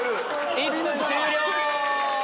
１分、終了！